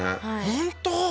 本当？